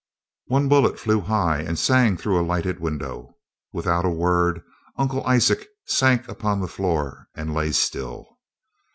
One bullet flew high and sang through a lighted window. Without a word, Uncle Isaac sank upon the floor and lay still.